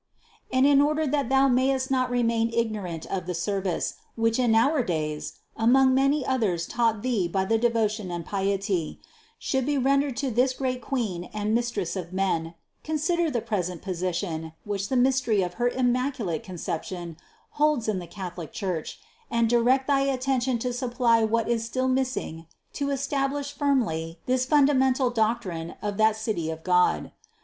307. And in order that thou mayest not remain ig norant of the service, which in our days (among many others taught thee by the devotion and piety), should be rendered to this great Queen and Mistress of men, con sider the present position, which the mystery of her Immaculate Conception holds in the Catholic Church and direct thy attention to supply what is still missing to establish firmly this fundamental doctrine of that City of God.